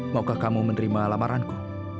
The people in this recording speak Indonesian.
maukah kamu menerima lamaranku